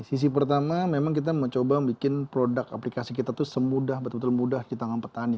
sisi pertama memang kita mau coba bikin produk aplikasi kita tuh semudah betul betul mudah kita ngepet tani